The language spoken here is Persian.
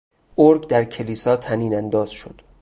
ارگ در کلیسا طنینانداز شد.